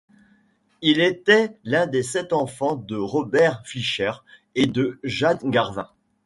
Il était l'un des sept enfants de Robert Fisher et de Jane Garvin.